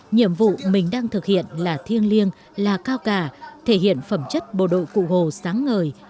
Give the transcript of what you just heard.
nhiệm vụ mình đang thực hiện là thiêng liêng là cao cả thể hiện phẩm chất bộ đội cụ hồ sáng ngời